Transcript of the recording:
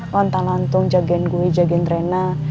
lontar lantung jagain gue jagain rena